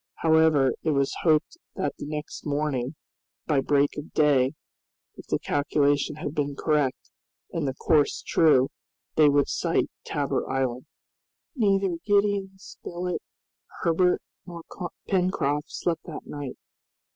However, it was hoped that the next morning by break of day, if the calculation had been correct and the course true, they would sight Tabor Island. Neither Gideon Spilett, Herbert, nor Pencroft slept that night.